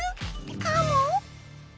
かも？